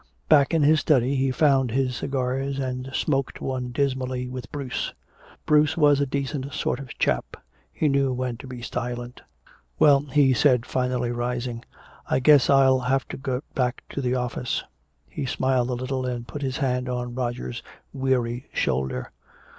Back in his study he found his cigars and smoked one dismally with Bruce. Bruce was a decent sort of chap. He knew when to be silent. "Well," he spoke finally, rising, "I guess I'll have to get back to the office." He smiled a little and put his hand on Roger's weary shoulder.